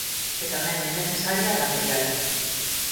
Que tamén é necesaria e material.